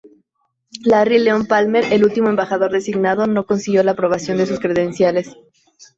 Larry Leon Palmer el último embajador designado no consiguió la aprobación de sus credenciales.